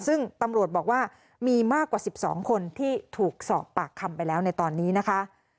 ซึ่งตำรวจบอกว่ามีมากกว่า๑๒คนที่ถูกสอบปากคำไปแล้วในตอนนี้นะคะ